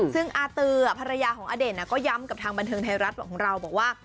ซึ่งอาตือภรรยาของอเด่นก็ย้ำกับทางบันเทิงไทยรัฐของเราบอกว่า